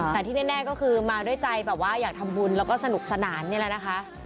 แต่ที่แน่ก็คือมาด้วยใจแบบว่าอยากทำบุญแล้วก็สนุกสนานนี่แหละนะคะ